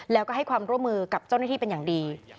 แล้วก็ให้ความร่วมมือกับเจ้าหน้าที่เป็นอย่างดี